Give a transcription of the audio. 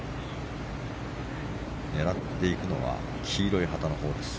狙っていくのは黄色い旗のほうです。